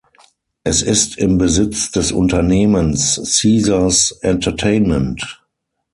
Es ist im Besitz des Unternehmens Caesars Entertainment.